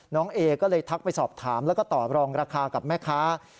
เอก็เลยทักไปสอบถามแล้วก็ตอบรองราคากับแม่ค้า